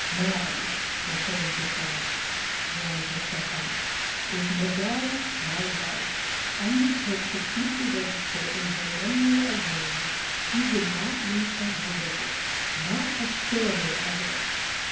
'"Man," returned Defarge, drawing himself up, "if Madame, my wife, undertook to keep the register in her memory alone, she would not lose a word of it not a syllable of it.